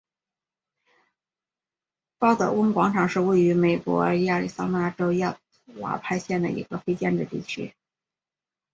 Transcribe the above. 鲍德温广场是位于美国亚利桑那州亚瓦派县的一个非建制地区。